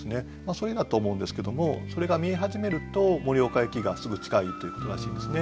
それだと思うんですけどもそれが見え始めると盛岡駅がすぐ近いということらしいんですね。